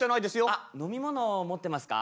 あっ飲み物持ってますか？